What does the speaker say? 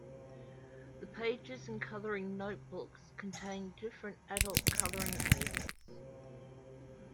The pages in coloring notebooks contain different adult coloring pages.